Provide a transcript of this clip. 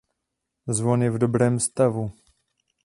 Zvon je v dobrém stavu.